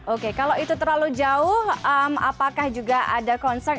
oke kalau itu terlalu jauh apakah juga ada concern